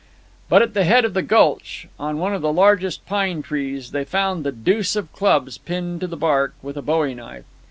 But at the head of the gulch, on one of the largest pine trees, they found the deuce of clubs pinned to the bark with a bowie knife.